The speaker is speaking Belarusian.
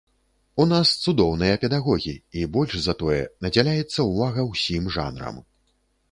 У нас цудоўныя педагогі, і, больш за тое, надзяляецца ўвага ўсім жанрам.